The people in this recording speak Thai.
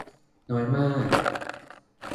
น้อยมาก